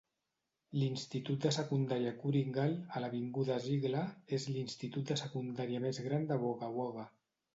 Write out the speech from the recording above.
L'institut de secundària Kooringal, a l'avinguda Ziegler és l'institut de secundària més gran de Wagga Wagga.